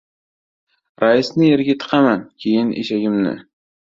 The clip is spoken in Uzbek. Raisni yerga tiqaman! Keyin eshagimni!